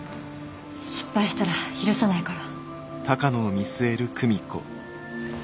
失敗したら許さないから。